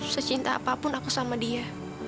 secinta apapun aku sama dia